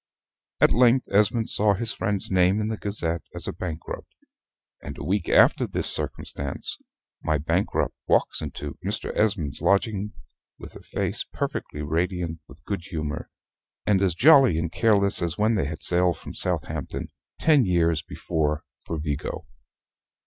At length Esmond saw his friend's name in the Gazette as a bankrupt; and a week after this circumstance my bankrupt walks into Mr. Esmond's lodging with a face perfectly radiant with good humor, and as jolly and careless as when they had sailed from Southampton ten years before for Vigo.